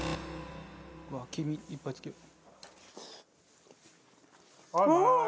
うわ黄身いっぱいつけよう。